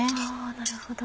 なるほど。